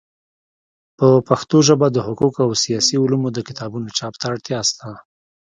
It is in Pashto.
په پښتو ژبه د حقوقو او سیاسي علومو د کتابونو چاپ ته اړتیا سته.